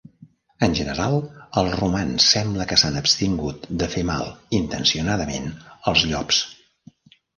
En general, els romans sembla que s'han abstingut de fer mal intencionadament als llops.